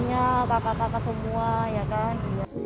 ya pak papak semua ya kan